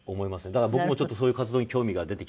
だから僕もそういう活動に興味が出てきたりとか。